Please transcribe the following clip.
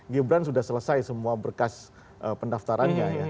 gibran sudah selesai semua berkas pendaftarannya ya